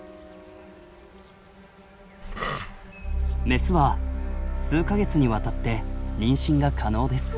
メスは数か月にわたって妊娠が可能です。